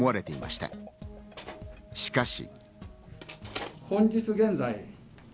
しかし。